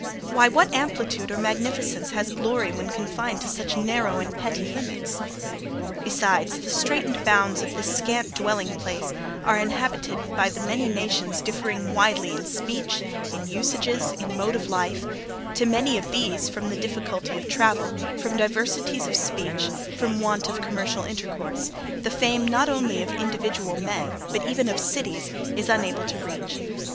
Why, what amplitude or magnificence has glory when confined to such narrow and petty limits? 'Besides, the straitened bounds of this scant dwelling place are inhabited by many nations differing widely in speech, in usages, in mode of life; to many of these, from the difficulty of travel, from diversities of speech, from want of commercial intercourse, the fame not only of individual men, but even of cities, is unable to reach.